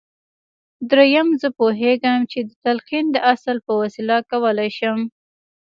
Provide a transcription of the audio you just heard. درېيم زه پوهېږم چې د تلقين د اصل په وسيله کولای شم.